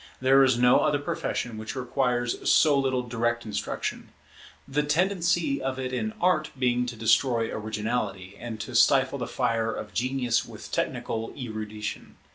There is no other profession which requires so little direct instruction; the tendency of it in Art being to destroy originality, and to stifle the fire of genius with technical erudition.